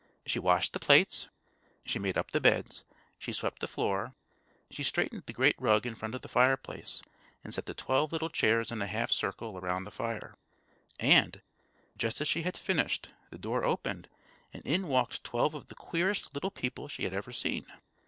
She washed the plates, she made up the beds, she swept the floor, she straightened the great rug in front of the fireplace, and set the twelve little chairs in a half circle around the fire; and, just as she finished, the door opened and in walked twelve of the queerest little people she had ever seen.